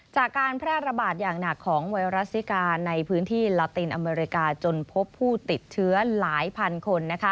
จากการแพร่ระบาดอย่างหนักของไวรัสซิกาในพื้นที่ลาตินอเมริกาจนพบผู้ติดเชื้อหลายพันคน